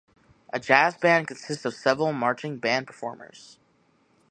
A jazz band consists of several marching band performers.